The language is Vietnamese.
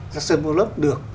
jackson four lock được